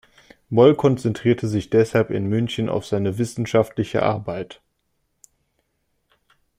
Moll konzentrierte sich deshalb in München auf seine wissenschaftliche Arbeit.